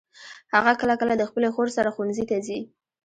هغه کله کله د خپلي خور سره ښوونځي ته ځي.